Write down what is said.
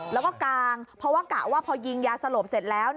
แล้วก็กางเพราะว่ากะว่าพอยิงยาสลบเสร็จแล้ว